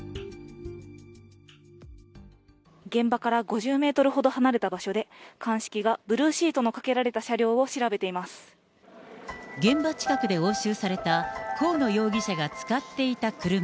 現場から５０メートルほど離れた場所で鑑識がブルーシートの現場近くで押収された、河野容疑者が使っていた車。